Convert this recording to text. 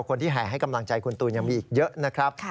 แห่ให้กำลังใจคุณตูนยังมีอีกเยอะนะครับ